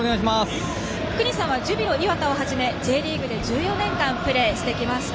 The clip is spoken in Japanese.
福西さんはジュビロ磐田をはじめＪリーグで１４年間プレーしてきました。